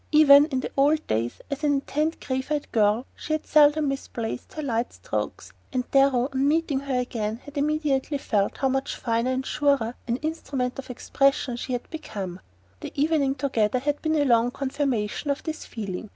Even in the old days, as an intent grave eyed girl, she had seldom misplaced her light strokes; and Darrow, on meeting her again, had immediately felt how much finer and surer an instrument of expression she had become. Their evening together had been a long confirmation of this feeling.